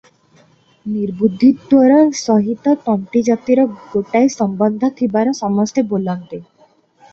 ନିର୍ବୁଦ୍ଧିତ୍ୱର ସହିତ ତନ୍ତୀଜାତିର ଗୋଟାଏ ସମ୍ବନ୍ଧ ଥିବାର ସମସ୍ତେ ବୋଲନ୍ତି ।